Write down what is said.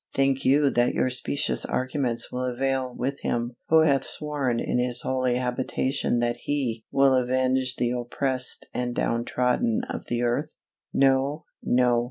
Think you that your specious arguments will avail with Him who hath sworn in His holy habitation that He will avenge the oppressed and down trodden of the earth? No, no!